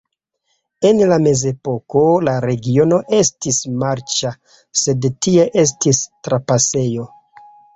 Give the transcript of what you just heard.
En la mezepoko la regiono estis marĉa, sed tie estis trapasejo.